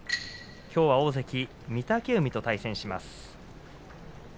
きょうは、大関御嶽海と対戦します。